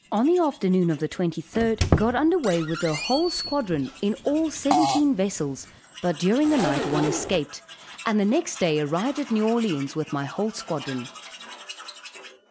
On the afternoon of the 23d, got underway with the whole squadron, in all seventeen vessels, but during the night one escaped, and the next day arrived at New Orleans with my whole squadron.